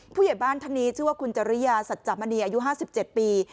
ผู้ใหญ่บ้านทางนี้ชื่อว่าคุณจริยาสัจจับมณีอายุห้าสิบเจ็ดปี